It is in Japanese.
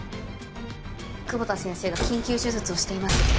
久保田先生が緊急手術をしています。